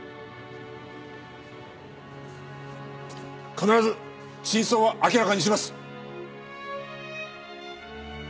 必ず真相を明らかにします。